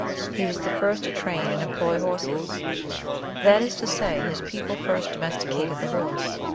"He was the first to train and employ horses;" that is to say, his people first domesticated the horse.